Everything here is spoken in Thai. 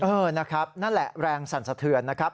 เออนะครับนั่นแหละแรงสั่นสะเทือนนะครับ